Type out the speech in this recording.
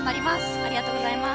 ありがとうございます。